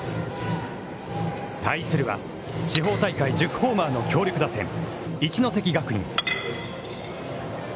対するは地方大会１０ホーマーの強力打線、一関学院。